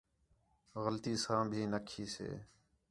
غلطی ساں بھی نا کھی سے